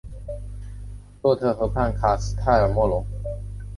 洛特河畔卡斯泰尔莫龙。